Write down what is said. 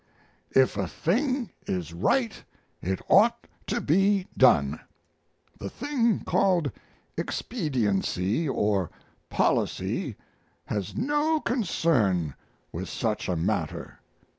If a thing is right it ought to be done the thing called "expediency" or "policy" has no concern with such a matter.